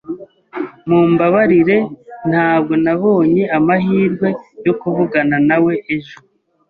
Mumbabarire ntabwo nabonye amahirwe yo kuvugana nawe ejo.